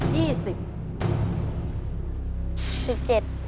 ตัวเลือกที่๕๑๗